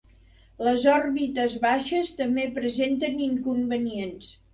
Les òrbites baixes també presenten inconvenients.